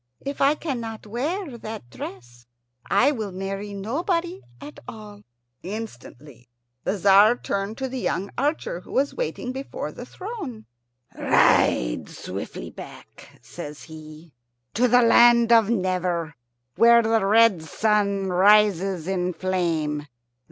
If I cannot wear that dress I will marry nobody at all." Instantly the Tzar turned to the young archer, who was waiting before the throne. "Ride swiftly back," says he, "to the land of Never, where the red sun rises in flame.